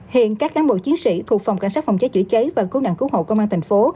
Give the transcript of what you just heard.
hiện các cán bộ chiến sĩ thuộc phòng cảnh sát phòng cháy chữa cháy và cứu nạn cứu hộ công an thành phố